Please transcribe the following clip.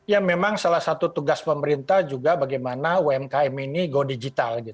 ya memang salah satu tugas pemerintah juga bagaimana umkm ini go digital